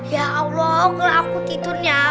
ya allah aku tidurnya